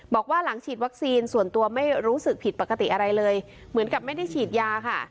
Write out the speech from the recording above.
บอกว่าหลังฉีดวัคซีนส่วนตัวไม่รู้สึกผิดปกติอะไรเลยเหมือนกับไม่ได้ฉีดยาค่ะ